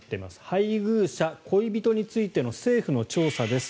配偶者・恋人についての政府の調査です。